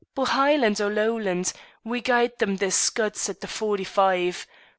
but Hielan' or Lowland, we gied them their scuds at the 'Forty five.'